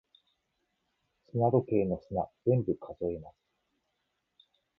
砂時計の砂、全部数えます。